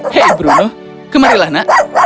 hei bruno kemarilah nak